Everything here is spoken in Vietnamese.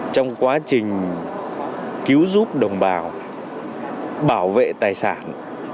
trong quá trình cứu giúp đồng bào bảo vệ tài sản